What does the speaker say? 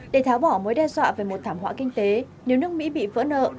để tháo bỏ mối đe dọa về một thảm họa kinh tế nếu nước mỹ bị vỡ nợ